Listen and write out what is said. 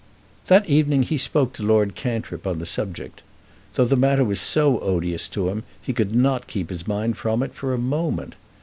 That evening he spoke to Lord Cantrip on the subject. Though the matter was so odious to him, he could not keep his mind from it for a moment.